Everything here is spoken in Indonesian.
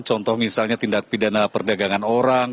contoh misalnya tindak pidana perdagangan orang